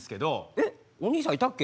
えっお兄さんいたっけ？